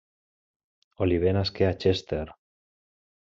Oliver nasqué a Chester.